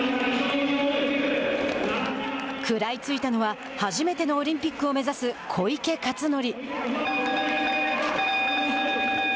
食らいついたのは初めてのオリンピックを目指す小池克典。